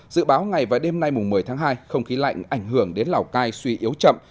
dự báo ngày và đêm nay một mươi tháng hai không khí lạnh ảnh hưởng đến lào cai suy yếu chậm